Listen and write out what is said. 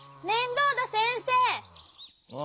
面倒田先生！